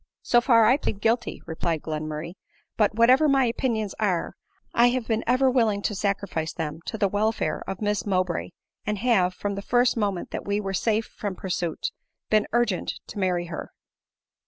" So far I plead guilty," replied Glenmurray ;" but whatever my opinions are, I have ever l)een willing to sacriBce them to the welfare of Miss Mowbray, and have, from the first moment that we were safe from pursuit, been urgent to marry her."